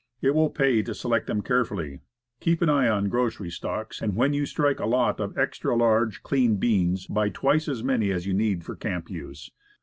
It will pay to select them carefully. Keep an eye on grocery stocks, and when you strike a lot of extra large, clean beans, buy twice as many as you need for camp use.